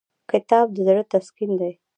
کتاب د زړه تسکین دی.